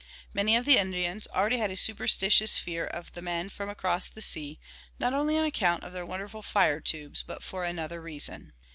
Many of the Indians already had a superstitious fear of the men from across the sea, not only on account of their wonderful "fire tubes" but for another reason.